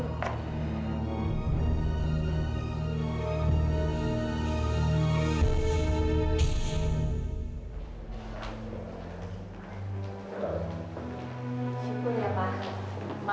syukur ya pak